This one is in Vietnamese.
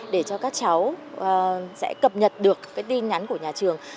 để cho các cháu sẽ cập nhật được cái tin nhắn của nhà trường